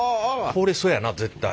これそやな絶対。